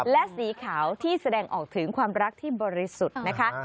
และสีขาวที่แสดงออกถึงความรักที่บริสุทธิ์นะคะ